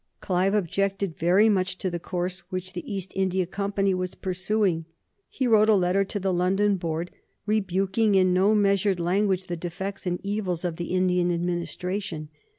Clive objected very much to the course which the East India Company were pursuing. He wrote a letter to the London Board rebuking in no measured language the defects and evils of the Indian Administration.